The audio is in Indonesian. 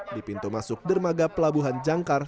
di pintu masuk dermaga pelabuhan jangkar